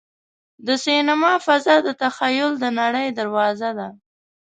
د سینما فضا د تخیل د نړۍ دروازه ده.